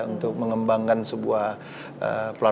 untuk mengembangkan sebuah platform